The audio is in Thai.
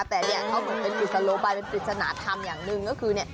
แต่นี่คือแบบเป็นปริศนาธรรมอย่างนึงก็คือ